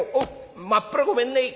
まっぴらごめんねえ」。